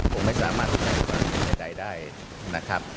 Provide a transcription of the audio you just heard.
ผมไม่สามารถพินากันใดได้นะครับ